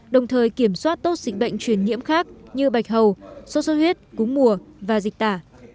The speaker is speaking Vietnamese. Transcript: đồng thời kiểm soát tốt dịch bệnh truyền nhiễm khác như bạch hầu sốt sốt huyết cúng mùa và dịch tả